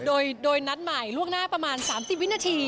โดยโดยนัดหมายลวกหน้าประมาณสามสิบวินาที